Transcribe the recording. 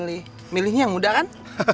pilih pilih milihnya yang muda kan